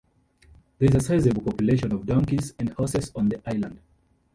There is a sizeable population of donkeys and horses on the island.